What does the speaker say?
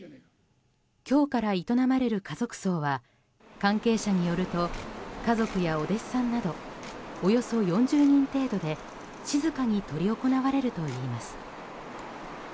今日から営まれる家族葬は関係者によると家族やお弟子さんなどおよそ４０人程度で静かに執り行われるといいます。